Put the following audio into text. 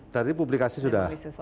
dari publikasi sudah